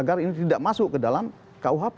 agar ini tidak masuk ke dalam kuhp